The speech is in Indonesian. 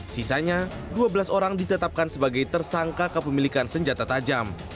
sisanya dua belas orang ditetapkan sebagai tersangka kepemilikan senjata tajam